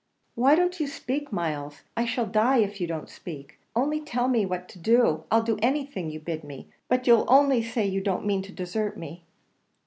"Why don't you speak, Myles? I shall die if you don't speak! Only tell me what you mean to do; I'll do anything you bid me, if you'll only say you don't mean to desert me."